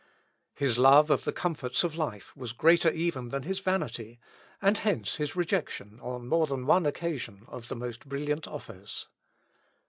His love of the comforts of life was greater even than his vanity, and hence his rejection, on more than one occasion, of the most brilliant offers.